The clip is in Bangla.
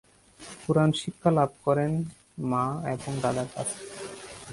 কুরআন শিক্ষা লাভ করেন মা এবং দাদার কাছে।